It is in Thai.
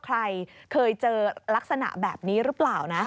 ใครเคยเจอลักษณะแบบนี้หรือเปล่านะ